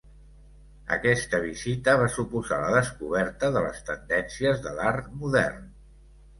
Aquesta visita va suposar la descoberta de les tendències de l'art modern.